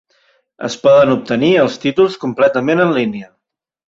Es poden obtenir els títols completament en línia.